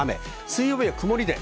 水曜日は曇り。